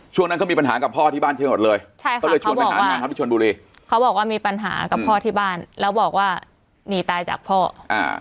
ช่วงนั้นเขามีปัญหากับพ่อที่บ้านเชียงหมดเลยใช่ค่ะเขาเลยชวนไปหางานครับที่ชนบุรีเขาบอกว่ามีปัญหากับพ่อที่บ้านแล้วบอกว่าหนีตายจากพ่ออ่า